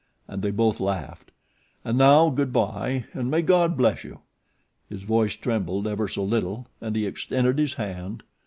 and they both laughed. "And now good by, and may God bless you!" His voice trembled ever so little, and he extended his hand.